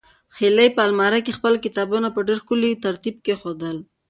هیلې په المارۍ کې خپل کتابونه په ډېر ښکلي ترتیب کېښودل.